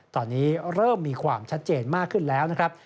ตอนนี้เริ่มมีความชัดเจนมากขึ้นแล้วนะครับ